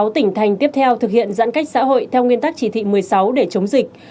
sáu tỉnh thành tiếp theo thực hiện giãn cách xã hội theo nguyên tắc chỉ thị một mươi sáu để chống dịch